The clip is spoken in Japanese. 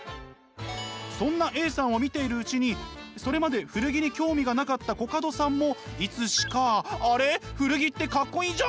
そんなＡさんを見ているうちにそれまで古着に興味がなかったコカドさんもいつしか「あれ古着ってかっこいいじゃん！